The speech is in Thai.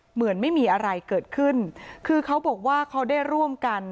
เหมือนไม่มีอะไรเกิดขึ้นคือเขาบอกว่าเขาได้ร่วมกัน